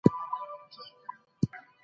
شکنجه انساني وقار له منځه وړي.